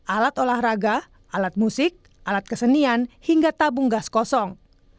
alat olahraga alat musik alat kesenian hingga tabung gas kosong